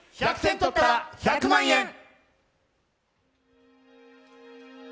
１００点とったら１００万円！